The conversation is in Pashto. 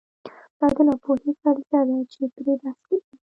دا د ناپوهۍ فرضیه ده چې پرې بحث کېږي.